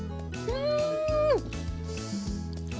うん！